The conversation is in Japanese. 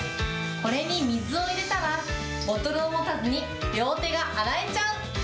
これに水を入れたら、ボトルを持たずに両手が洗えちゃう。